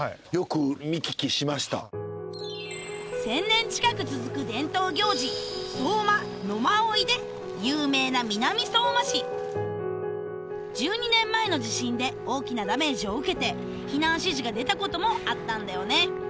１０００年近く続く伝統行事で有名な南相馬市１２年前の地震で大きなダメージを受けて避難指示が出たこともあったんだよね